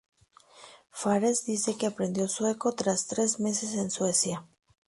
Fares dice que aprendió sueco tras tres meses en Suecia.